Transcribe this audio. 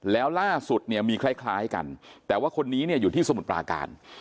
แล้วล่าสุดมีคล้ายกันแต่ว่าคนนี้อยู่ที่สมุทรปลาการ